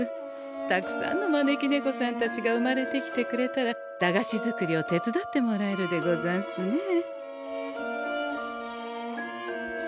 たくさんの招き猫さんたちが生まれてきてくれたら駄菓子作りを手伝ってもらえるでござんすねえ。